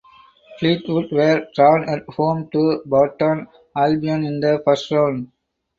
Fleetwood were drawn at home to Burton Albion in the first round.